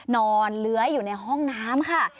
เลื้อยอยู่ในห้องน้ำค่ะ